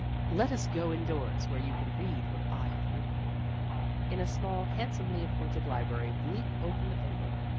"Let us go indoors, where you can read what I have written." In a small handsomely appointed library Bleak opened the paper.